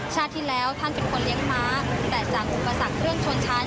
ที่แล้วท่านเป็นคนเลี้ยงม้าแต่จากอุปสรรคเรื่องชนชั้น